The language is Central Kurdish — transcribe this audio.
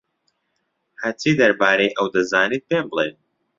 هەرچی دەربارەی ئەو دەزانیت پێم بڵێ.